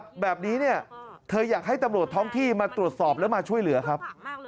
สิ่งแบบนี้เธอยากให้ตำรวจท้องที่มาตรวจสอบและมาช่วยเหลือครับ